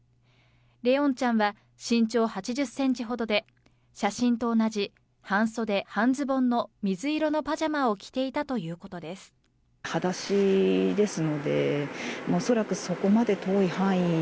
怜音ちゃんは身長８０ｃｍほどで写真と同じ半袖半ズボンの水色のパジャマを着ていたということです。